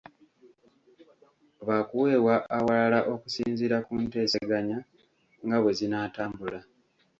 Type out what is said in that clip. Baakuweebwa awalala okusinziira ku nteeseganya nga bwe zinaatambula.